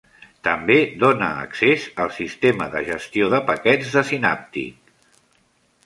També dona accés al sistema de gestió de paquets de Synaptic.